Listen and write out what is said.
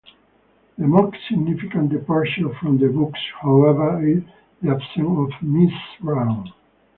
The most significant departure from the books, however, is the absence of Mrs. Brown.